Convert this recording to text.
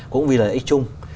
cũng vì lợi ích chung